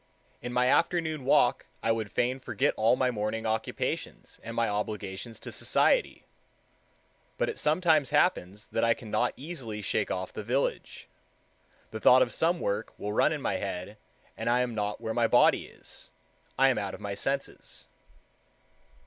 In my afternoon walk I would fain forget all my morning occupations and my obligations to society. But it sometimes happens that I cannot easily shake off the village. The thought of some work will run in my head and I am not where my body is—I am out of my senses.